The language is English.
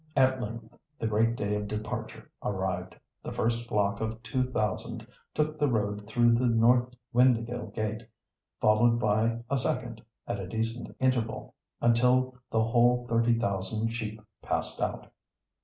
At length the great day of departure arrived. The first flock of two thousand took the road through the north Windāhgil gate, followed by a second, at a decent interval, until the whole thirty thousand sheep passed out.